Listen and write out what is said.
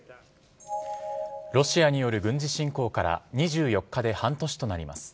ロシアにある軍事侵攻から２４日で半年となります。